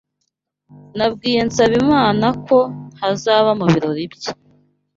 Nabwiye Nsabimana ko ntazaba mu birori bye.